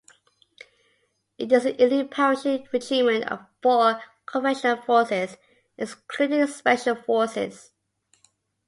It is the elite parachute regiment for conventional forces (excluding special forces).